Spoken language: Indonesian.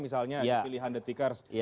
misalnya pilihan the tickers